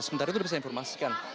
sementara itu bisa saya informasikan